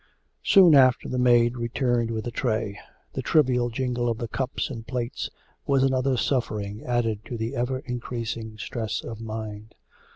Soon after the maid returned with a tray. The trivial jingle of the cups and plates was another suffering added to the ever increasing stress of mind.